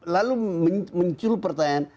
lalu mencul pertanyaan